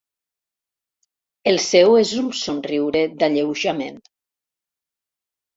El seu és un somriure d'alleujament.